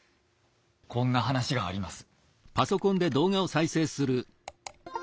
こんな話があります。